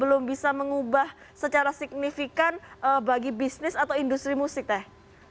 belum bisa mengubah secara signifikan bagi bisnis atau industri musik teh